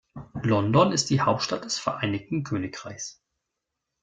London ist die Hauptstadt des Vereinigten Königreichs.